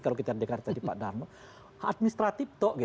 kalau kita dengar tadi pak dharma administratif